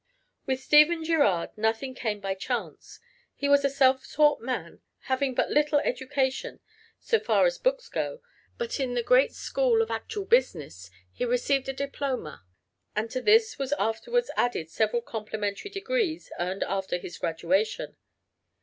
With Stephen Girard nothing came by chance. He was a self taught man, having but little education so far as books go; but in the great school of actual business he received a diploma, and to this was afterwards added several complimentary degrees earned after his graduation.